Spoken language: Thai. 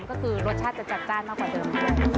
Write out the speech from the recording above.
ก็คือรสชาติจะจัดจ้านมากกว่าเดิม